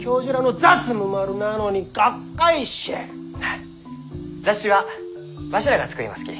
あ雑誌はわしらが作りますき。